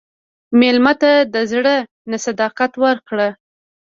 مېلمه ته د زړه نه صداقت ورکړه.